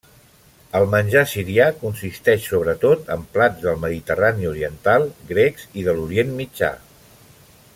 El menjar sirià consisteix sobretot en plats del Mediterrani oriental, grecs, i de l'Orient Mitjà.